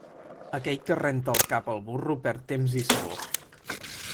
Aquell que renta el cap al burro perd temps i sabó.